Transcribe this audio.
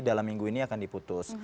dalam minggu ini akan diputus